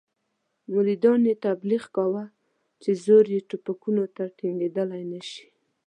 مریدانو یې تبلیغ کاوه چې زور یې ټوپکونو ته ټینګېدلای نه شي.